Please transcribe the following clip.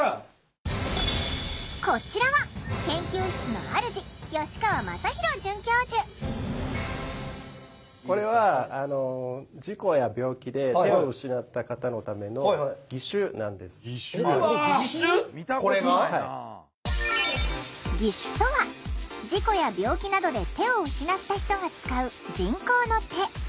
こちらは研究室のあるじ義手とは事故や病気などで手を失った人が使う人工の手。